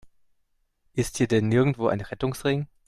Ist hier denn nirgendwo ein Rettungsring?